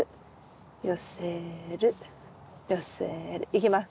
いきます。